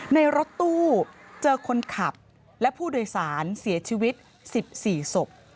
ในรถตู้เจอคนขับและผู้โดยสารเสียชีวิต๑๔ศพ